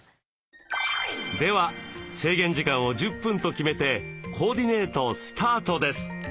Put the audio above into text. では制限時間を１０分と決めてコーディネートスタートです。